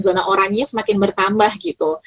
zona oranye semakin bertambah gitu